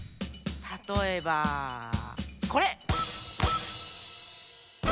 たとえばこれ。